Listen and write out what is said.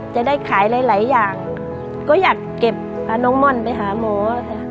จะได้ขายหลายอย่างก็อยากเก็บพาน้องม่อนไปหาหมอค่ะ